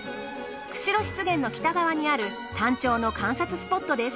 釧路湿原の北側にあるタンチョウの観察スポットです。